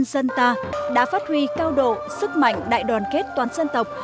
dân ta đã phát huy cao độ sức mạnh đại đoàn kết toán dân tộc